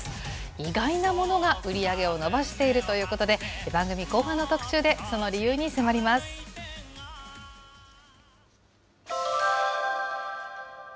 意外なものが売り上げを伸ばしているということで、番組後半の特集で、その理由に迫ります。